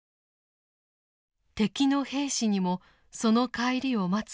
敵の兵士にもその帰りを待つ家族がいる。